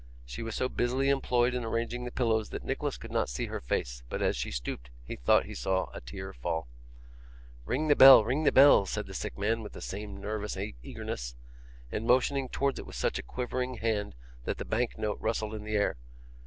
She was so busily employed in arranging the pillows that Nicholas could not see her face, but as she stooped he thought he saw a tear fall. 'Ring the bell, ring the bell,' said the sick man, with the same nervous eagerness, and motioning towards it with such a quivering hand that the bank note rustled in the air.